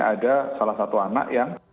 ada salah satu anak yang